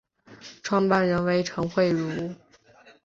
创办人为陈惠如。